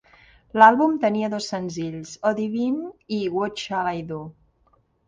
L'àlbum tenia dos senzills: "O'Divina" i "What Shall I Do?